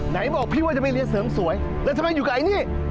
ไหนบอกพี่ว่าจะไปเรียนเสริมสวยแล้วทำไมอยู่กับไอ้นี่